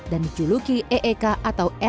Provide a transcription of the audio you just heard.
dan dijuluki eek atau e empat ratus delapan puluh empat k